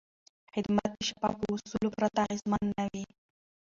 خدمت د شفافو اصولو پرته اغېزمن نه وي.